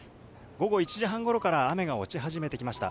午後１時半ごろから雨が落ち始めてきました。